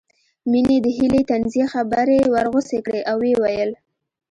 مينې د هيلې طنزيه خبرې ورغوڅې کړې او ويې ويل